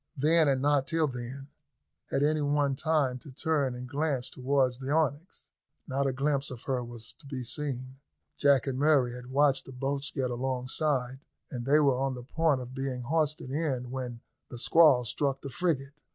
Then, and not till then, had any one time to turn a glance towards the Onyx. Not a glimpse of her was to be seen. Jack and Murray had watched the boats get alongside, and they were on the point of being hoisted in when the squall struck the frigate.